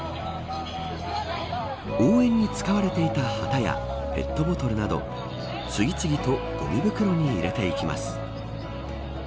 応援に使われていた旗やペットボトルなど次々とごみ袋に入れていきます。